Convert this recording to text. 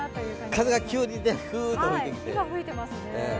風が急に、ふっと吹いてきてね。